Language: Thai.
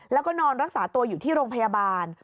แล้วก็นอนรักษาตัวอยู่ที่โรงพยาบาล